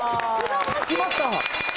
決まった！